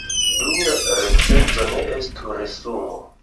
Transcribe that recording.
Due, recenzo ne estu resumo.